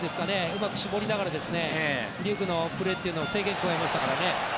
うまく絞りながらデュークのプレーを制限を加えましたからね。